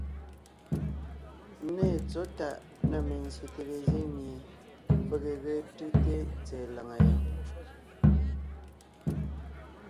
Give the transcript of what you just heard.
Nê tsɔ̌ tàʼ na mezsyète lezíŋ mie pege ge tʉ́te tsɛ̀ɛ làŋa yɔɔn.